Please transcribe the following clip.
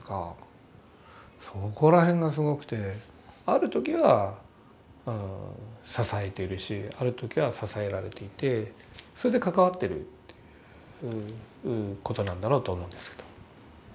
ある時は支えているしある時は支えられていてそれで関わってるってことなんだろうと思うんですけど。